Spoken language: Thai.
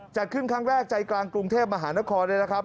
จัดขึ้นครั้งแรกใจกลางกรุงเทพมหานครเลยนะครับ